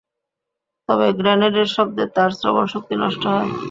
তবে গ্রেনেডের শব্দে তাঁর শ্রবণশক্তি নষ্ট হয়।